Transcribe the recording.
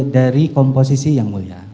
dari komposisi yang mulia